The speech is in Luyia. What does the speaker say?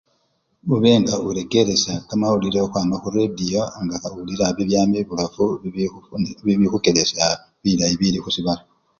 Hube nga hurekeresha kamawulile huhwama huretiyo nga huwulila bibyama ebulafu bibihufu bibihukeleshela bilayi bili husibala